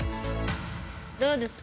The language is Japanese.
どうですか？